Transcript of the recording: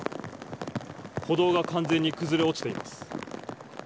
歩道が完全に崩れ落ちています。